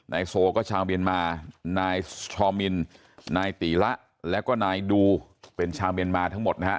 นายโซก็ชาวเมียนมานายชอมินนายตีละแล้วก็นายดูเป็นชาวเมียนมาทั้งหมดนะฮะ